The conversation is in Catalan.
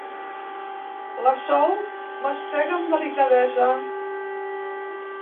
La Sol mastega amb delicadesa.